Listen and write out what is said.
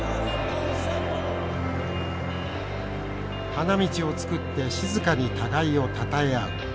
花道を作って静かに互いをたたえ合う。